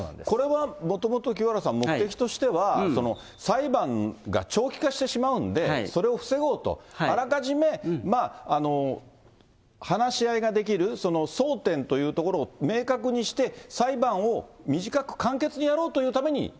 これはもともと、清原さん、目的としては、裁判が長期化してしまうんで、それを防ごうと、あらかじめまあ、話し合いができる争点というところを明確にして、裁判を短く簡潔にやろうというために。